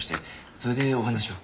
それでお話を。